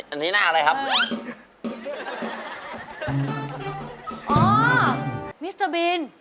อันนี้หน้าอะไรครับ